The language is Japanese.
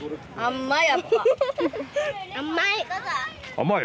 甘い。